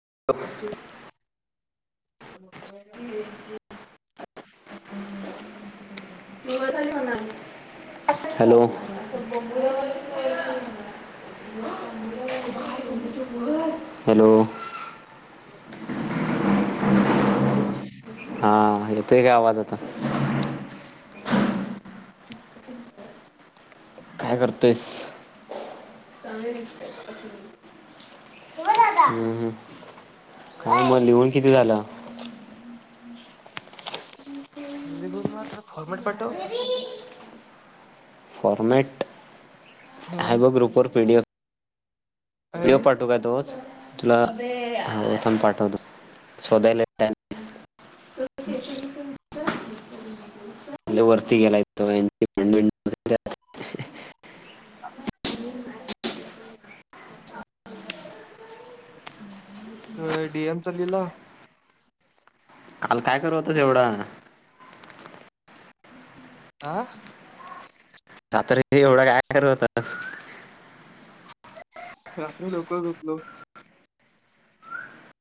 [unintelligible] [inaudible] [inaudible] [inaudible] Hello [unintelligible] [inaudible] hello [inaudible] hello हा येतोय काय आवाज आता? काय करतोयस? चांगल दिसतय. [unintelligible] हम्म हं. काय म लिहून किती झालं? [unintelligible] फॉरमॅट पाठव. फॉरमॅट हम्म हाय ब्रो ग्रुप वर P D F P O I F पाठवू का तोवर? तुला थांब पाठवतो. शोधायला टाईम लई वरती गेलाय तो [unintelligible] तो डी एमचाच विला. काल काय करत होताच एवढा? आह रात्री एवढा काय करत होतास? रात्री लवकर झोपलो.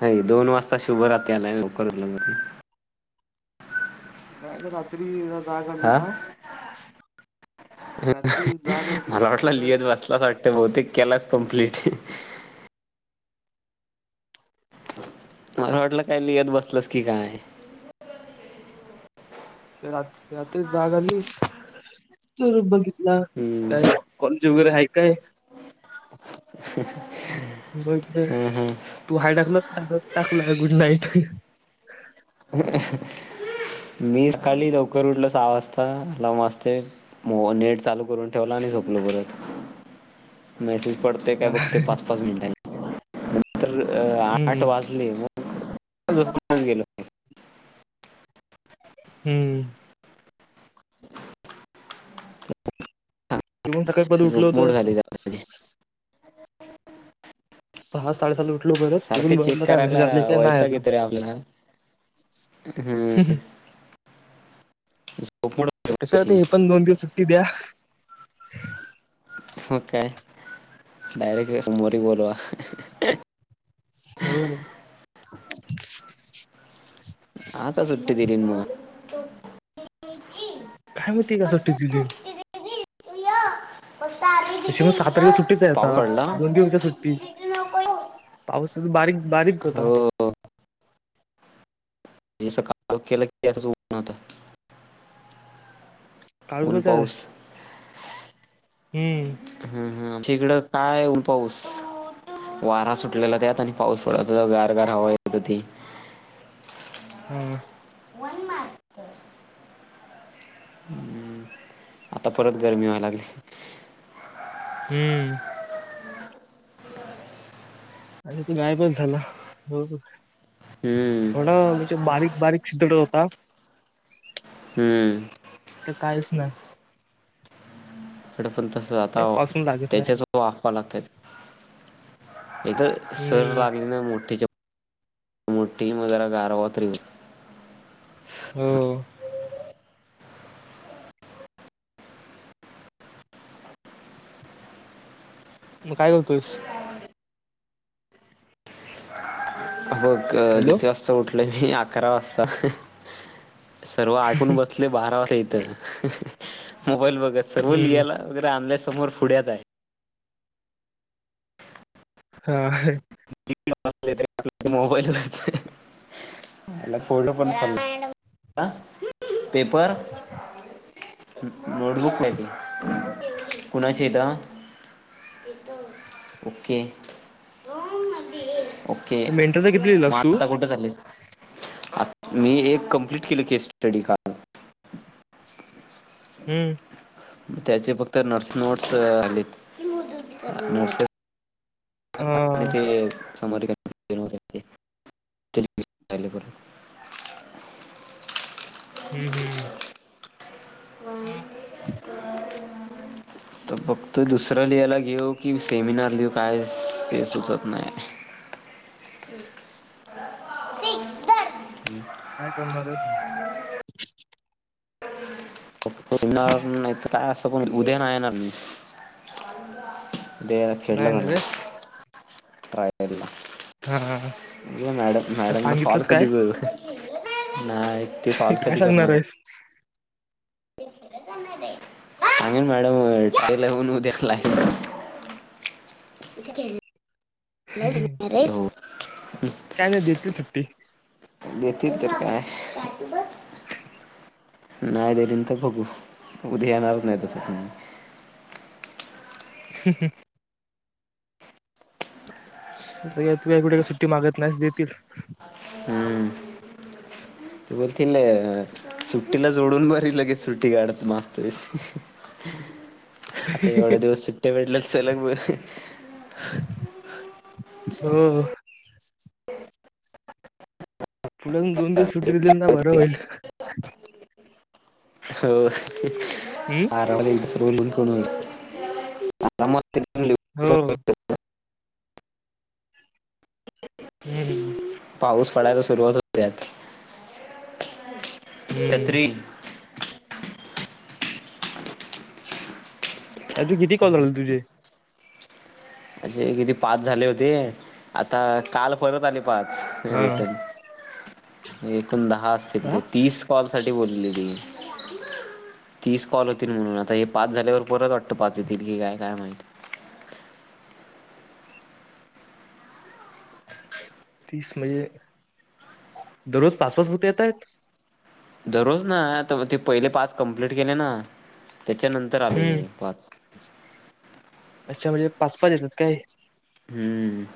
नाही दोन वाजता शुभ राती आलाय आणि लवकर उठलो मी. [inaudible] नाही रे रात्री हे झालं जाग आली ना रात्री जाग [unintelligible] आली मला वाटलं मग लिहत बसला वाटतं? बहुतेक केलास कम्प्लीट. मला वाटलं काही लिहीत बसला की काय. रात्री जाग आली तर बघितला हम्म. कोणी जुबर आहे काय? [unintelligible] बघितलस हं, हं. तू हाय टाकलस मी टाकलं गुड नाईट. मी सकाली लवकर उठलो सहा वाजता आलाराम वाजते नेट चालू करून ठेवला आणि झोपलो परत. मेसेज पडते काय बघते पाच पाच मिनिटांनी. नंतर अ आठ हम्म वाजले मग [unintelligible] गेलो हम्म येऊन सकाळी परत उठलो होतो झोपमोड झाली त्यात माझी. सावकाश सहा साडे सहाला सारखं चेक करायला वयताग आला यतयरे आपला हम्म कशासाठी हे पण दोन दिवस [unintelligible] द्या मग काय डायरेक्ट समोवारी बोलवा. हो हो आता सुट्टी दिलीन मंग. [unintelligible] काय माहती का सुट्टी दिली. तू य फक्त आधी तशी दीदी पण सहा य तारखेला सुट्टीच आहे पाऊस आता पडला दोन दिवस सुट्टी दीदी नको येऊस पाऊस बारीक बारीक हो होता. मी सकाळी आंघोळ केली की झोपणार आता. ऊन काळुकच आहे पाऊस हम्म हम् हम् तिकड काय ऊन पाऊस वारा सुटलेला त्यात आणि पाऊस पडत होता गार गार हवा येत होती. हम्म वनमार्क हम्म आता परत गरमी व्हायला लागली हम्म अर तू गायबस झाला हो. हम्म थोडा म्हणजे बारीक बारीक शितोडा होता. हम्म तर कायच ना. हड पण तसं आता काय पासून लागत नाही त्याच्याच अफवा लागतात इथ सर हम्म लागली ना मोठी मुठी मदर गारवतिव हो मग काय बोलतोस अ हॅलो व्यतस्त आप म आकरा वा सर्व आठवून बसले बारा वाज येत मोबाईल ब र् हम्म लिहा समोर फ पुड्यात आहे हा आपल्या मोबाईल यला फोटो पण पेपर नोटबुक माती कुणाची येत ओके ओके. मेंटलचा किती म् लिहिलास तू आता कुठे चाललीस? आ मी एक कंप्लीट केलं की स्टडी काल. हम्म त्याचे फक्त नर्स नोट्स आलेत. नोट्स हा आणि ते [inaudible] हम्म हम्म तर बघतोय दुसरं लिहायला घेऊ कि सेमिनर लिहू काय ते सुचत नाही काय करणार आहेस? [inaudible] नाही तर काय अस् उद्या नाही येणार मी. देअर खेडला नाही ना जाणार आहे रेस मी ट्रायला हा ब मॅडम आज मॅडमनां कॉल सांगितलंस काय कधी [inaudible] [inaudible] नाय ते कॉल काय कधी सांगणार करणार? आहेस सांगल मॅडम टेलऊन उद्या दे्या ला [unintelligible] [inaudible] काय [unintelligible] देते सुट्ट- ते देतील तर काय? नाही दिली ना तर बघू. उद्या येणारच नाही तसं. [inaudible] तू येत नाही कुठे काय सुट्टी मागत नाहीस देतील. तू बोलतील सुट्टीला जोडून बरी लगेच सुट्टी काढत मागतोईस आता एवढ्या दिवस सुट्ट्या भेटलल्यात चल बर. हो मॅडम दोन दिवस सुट्टी दिली तर ना बरं होईल. हो हम्म हारवलेल. स्कूल करून आता मग होव हम्म हम पाऊस पडायला सुरुवात होतेय. हम्म छत्री आदी किती कॉल राहिलेत तुझे? ते किती पाच झाले होते. आता काल परत आणि पाच हा रिटर्न एकूण दहा कॉल हा असतील तीस कॉल अशी बोलली ती तीस कॉल म्हणून हे पाच झाल्यावरती परत वाटतं पाच येतील काय माहिती तीस म्हणजे दररोज पाच पाच होते येत आहेत. दररोज ना आता ते पहिले पास कम्प्लीट केले ना त्याच्यानंतर आले हम्म पाच अच्छा म्हणजे पाच पाच येतात काय. ह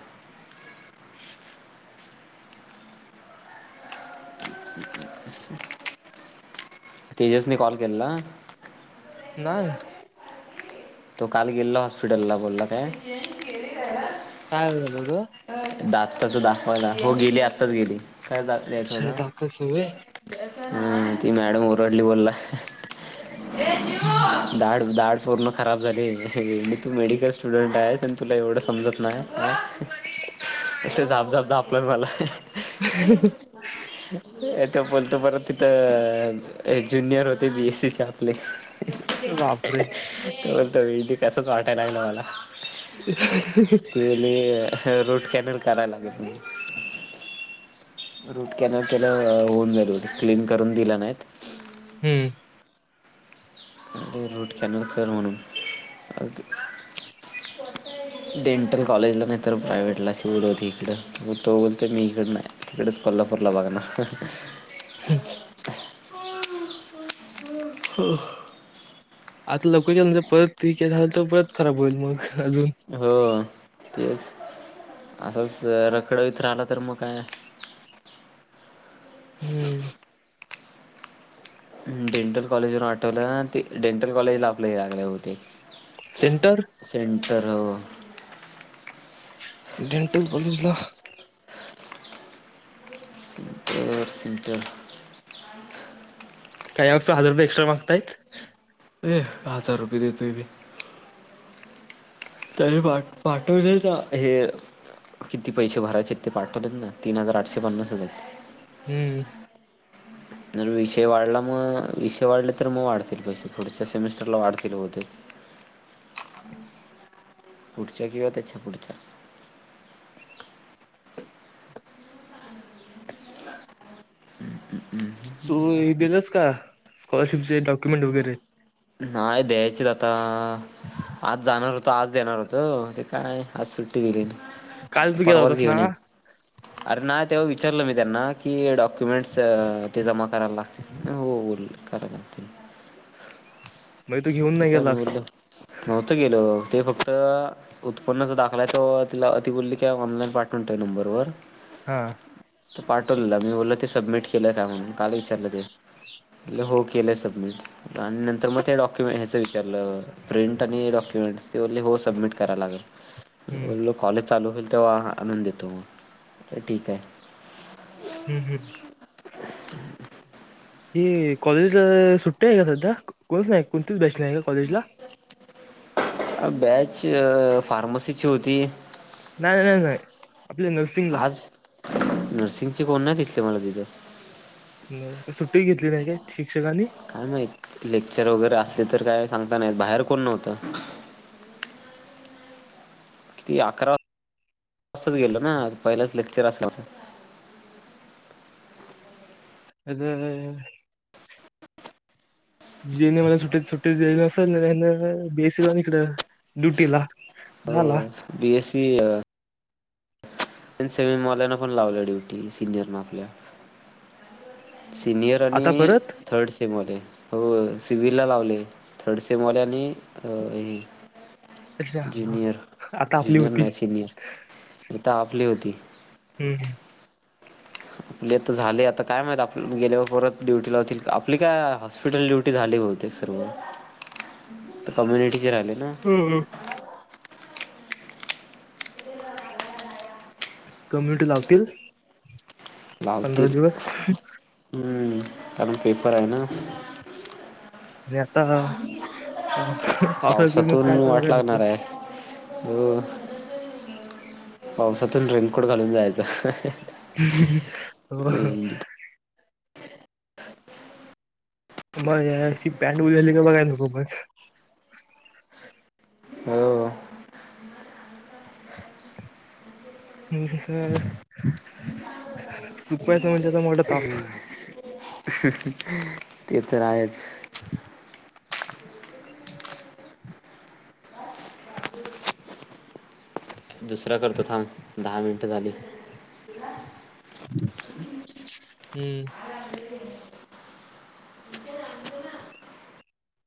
तेजसनी कॉल केलेला. नाही. तो काल गेलेला हॉस्पिटलला बोलला काय. काय होईल होतं. दात दाखवायला आत्ताच गेले हो आत्ताच गेली. काय दा अच्छा दाताचे होय. हा ती मॅडम ओरडली म्हणला. [unintelligible] दाढ सोड ना खराब झाली तू मेडिकल स्टुडन्ट पण तुला एवढं समजत नाही. इथे झाप झाप झापलय मला [unintelligible] तिथ बोलतो बरं तिथं ज्युनियर होते बीएससी चे आपले अरे बापरे फक्त वेल्डिंग त्याच वाटायला लागलं. मला ती बोलली [unintelligible] रूट कॅनल करायला लागेल. रूट कॅनल केल्यावर होऊन जाईन क्लीन करून दिला नाहीत. हम्म. रूट कॅनल कर म्हणून डेंटल कॉलेजला नाहीतर प्रायव्हेट ला सोय होती इकडे तो म्हणतो इकडे नाही तिकडेच कोल्हापूरला बघणार. ह् हो आता लवकर गेला नाही तर ठीक आहे परत खराब होईल मग अजून हो तेच असच रखडवीत राहिला तर मग काय ह डेंटल कॉलेजवरून आठवलं ते डेंटल कॉलेजला आपले आले होते सेंटर तर डेंटल कॉलेजला सेंटर सेंटर काय असो हजार रुपये एक्स्ट्रा मागतायत ये हजार रुपये देतो मी तळे फाट पाठवतील का हे किती पैसे भरायचे आहेत ते पाठवत ना तीन हजार आठशे पन्नास हजार आहेत. हम्म जर विषय वाढला मग विषय वाढले तर मग वाढतील पैसे थोडच्या सेमी स्टरला वाढतील बहुतेक. पुढच्या किंवा त्याच्या पुढच्या. [inaudible] तू हे दिलस का? [unintelligible] डॉक्युमेंट वगैरे नाही द्यायचेच आता आज जाणार होतो आज देणार होतो काय आज सुट्टी दिली. काल तू गेला परवाच होतस घेऊन ना? येईन. अरे नाही तेव्हा विचारलं मी त्यांना कि डॉक्युमेंट्स ते जमा करायला लागतील हो बोल करा लागतील. मग तू घेऊन नाही ठीक आहे मी गेलास उद्या नव्हतं गेलो. ते फक्त उत्पन्न ज दाखलायचं तो तिला बोलली की ऑनलाईन पाठवून ठेव नंबरवर. हा तर पाठवलेला मी बोलल ते सबमिट केल का म्हणून काल विचारलं ते हो केलं सबमिट आणि नंतर मग डॉक्युमेंट कि हच विचारलं प्रिंट आणि डॉक्युमेंट्स ते बोली हो सबमिट कराला लागेल. हम्म बोललो कॉलेज चालू होईल तेव्हा आणून देतो मग ठीक आहे. हम्म हम्. ह कॉलेजला सुट्टी आहे का सध्या कोणच नाही कोणतीच बॅच नाही आहे का कॉलेजला. अ बॅच फार्मसीची होती. नाही नाही नाही आपल्या नर्सिंगला आज नर्सिंगचे कोण नाही दिसले, मला तिथं. नाही सुट्टी घेतली नाही काय ठी काय माहित लेक्चर वगैरे अस ते तर काय सांगता नाही बाहेर कोण नव्हत. किती अकरा वाजताच गेलो ना पहिलाच लेक्चर असला जीए एनम ला सुट्टीत सुट्टी दिली नसल ना त्या बीसी लागली ड्युटीला झाला. बी एससी अ प सेमी पण लावलं ड्युटी सिनियर न आपल्या. सिनियर आणि आता परत थर्ड सेमवाले. हो सिव्हल ला लावले थर्डसेमवाले आणि अ हे अच्छा हा, जुनियर, आता आपली जुनियर होती नाही सिनियर नाही तर आपली होती. हम् आपले आता झाले आता काय माहित आपन गेल्यावर परत ड्युटी लावतील आपली काय हॉस्पिटल ड्युटी झाली बहुतेक सर्व कम्युनिटी. आले ना, कम्युनिटी लावतील. पंधरा लावतील. दिवस हम्म कारण पेपर आहे ना. आणि आता पावसातून [unintelligible] वाट बघाय नको. लागणार आहे हो, पावसातून रेनकोट घालून जायचं. होय होय [unintelligible] हो सुकवायचं म्हणजे कसा मोठा ताप. ते तर आहेच. दुसरा करतो थांब दहा झाली. हम्म [inaudible]